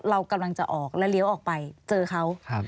เรากำลังจะออกแล้วเลี้ยวออกไปเจอเขา